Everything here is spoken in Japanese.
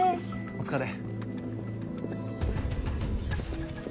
お疲れ。